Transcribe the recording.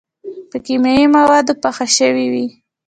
پۀ کيماوي موادو پاخۀ شوي وي